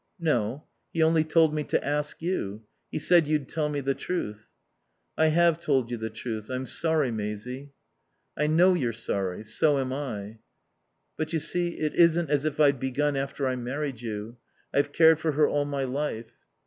"No. He only told me to ask you. He said you'd tell me the truth." "I have told you the truth. I'm sorry, Maisie." "I know you're sorry. So am I." "But, you see, it isn't as if I'd begun after I married you. I've cared for her all my life."